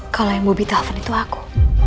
kalau yang bobita slaven itu aku